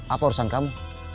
apa urusan kamu